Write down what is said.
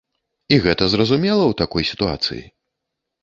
І гэта зразумела ў такой сітуацыі.